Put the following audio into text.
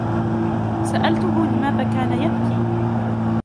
سَأَلَتهُ لماذا كان يبكي.